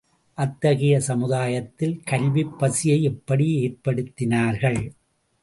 அத்தகைய சமுதாயத்தில் கல்விப் பசியை எப்படி ஏற்படுத்தினார்கள்?